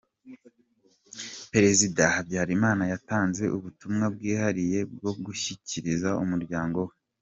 Perezida Habyarimana yatanze ubutumwa bwihariye bwo gushyikiriza umuryango we.